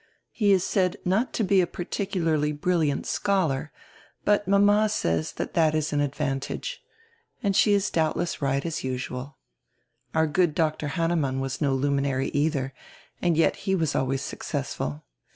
He is said not to be a particularly brilliant scholar, but mama says diat is an advantage. And she is doubdess right, as usual. Our good Dr. Hannemann was no luminary eidier, and yet he was always successful.